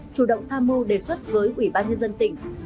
chủ động tham mưu đề xuất với ủy ban nhân dân tỉnh